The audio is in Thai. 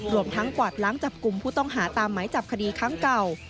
รวมทั้งกวาดล้างจับกลุ่มผู้ต้องหาตามหมายจับคดีครั้งเก่า